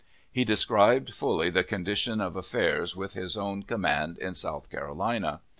He described fully the condition of affairs with his own command in South Carolina.